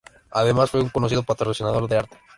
Además fue un conocido patrocinador de arte.